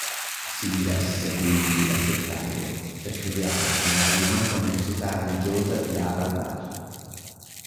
Si diresse quindi verso Il Cairo per studiare nella rinomata università religiosa di al-Azhar.